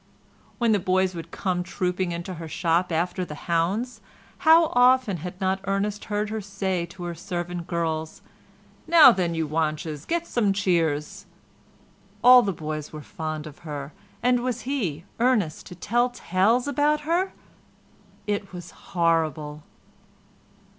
When the boys would come trooping into her shop after "the hounds" how often had not Ernest heard her say to her servant girls, "Now then, you wanches, git some cheers." All the boys were fond of her, and was he, Ernest, to tell tales about her? It was horrible.